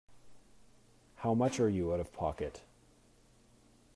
How much are you out of pocket?